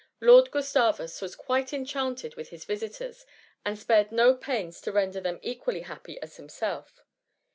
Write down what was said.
Lord Gustavus was quite enchanted with his visitors, and spared no pains to render them equally happy as himself.